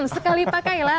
sekali pakai lah